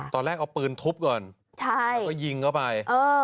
ตอนแรกเอาปืนทุบก่อนแล้วก็ยิงเข้าไป